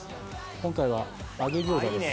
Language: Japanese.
今回は揚げ餃子です